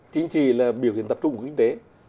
chính trị là biểu hiện tập trung của kinh tế